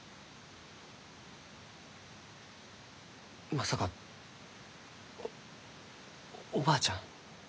まさかおおばあちゃん？